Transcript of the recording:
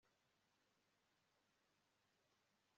none imana iri kubusohoza